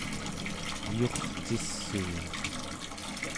eyurcissuun